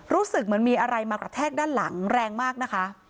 รู้สึกเหมือนมีอะไรมากระแทกด้านหลังแรงมากนะคะ